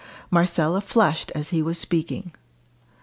Marcella flushed as he was speaking.